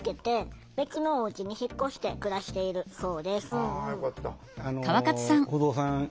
あよかった。